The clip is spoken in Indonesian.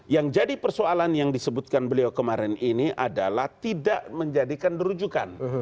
yang jadi persoalan yang disebutkan beliau kemarin ini adalah tidak menjadikan rujukan